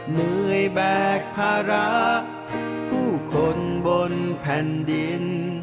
เหนื่อยแบกภาระผู้คนบนแผ่นดิน